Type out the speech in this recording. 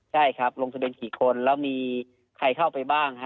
ใช่ครับลงทะเบียนกี่คนแล้วมีใครเข้าไปบ้างฮะ